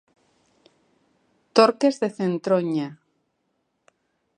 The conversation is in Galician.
Torques de Centroña.